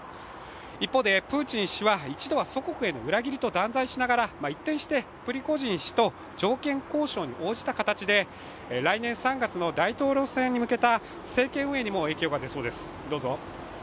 一方でプーチン氏は一度は祖国への裏切りと断罪しながら一転して、プリゴジン氏と条件交渉に応じた形で、来年３月の大統領選に向けた政権運営にも影響が出そうです。